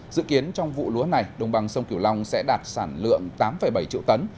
dự kiến trong vụ lúa này đồng bằng sông kiểu long sẽ đạt sản lượng tám bảy triệu tấn